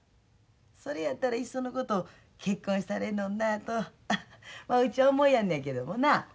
それやったらいっそのこと結婚したらええのになとうちは思いやんねんけどもな。